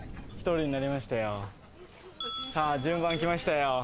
さあ順番きましたよ。